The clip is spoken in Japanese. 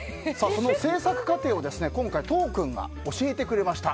その制作過程を都央君が教えてくれました。